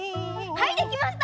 はいできました！